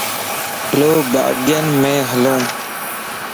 ھلو باغ ءَ مَ ھلان